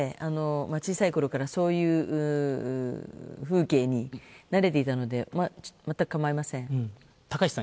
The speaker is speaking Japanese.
小さいころからそういうふう形に慣れていたので全くかまいません。